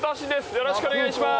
よろしくお願いします。